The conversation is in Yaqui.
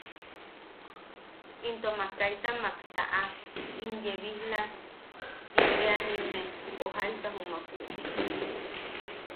Into mak kaita mak taʼaka im yebijla ti eanimme, o jaisa jumaku...